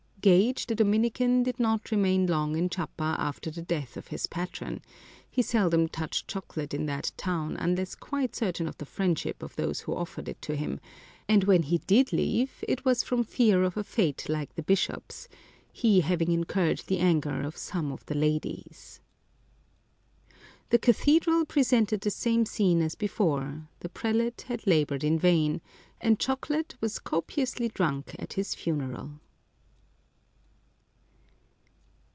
Gage, the Dominican, did not remain long in Chiapa after the death of his patron : he seldom touched chocolate in that town unless quite certain of the friendship of those who offered it to him ; and when he did leave, it was from fear of a fate like the bishop's, — he having incurred the anger of some of the ladies. The cathedral presented the same scene as before ; the prelate had laboured in vain, and chocolate was copiously drunk at his funeral.